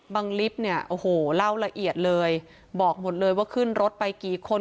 ลิฟต์เนี่ยโอ้โหเล่าละเอียดเลยบอกหมดเลยว่าขึ้นรถไปกี่คน